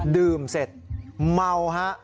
ดื่มเสร็จเมาฮะ